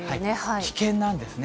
危険なんですね。